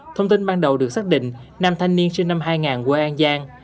thông tin ban đầu được xác định nam thanh niên sinh năm hai quê an giang